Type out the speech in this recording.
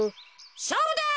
しょうぶだ！